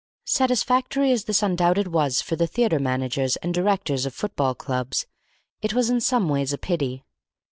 Satisfactory as this undoubtedly was for the theatre managers and directors of football clubs, it was in some ways a pity.